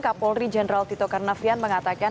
kapolri jenderal tito karnavian mengatakan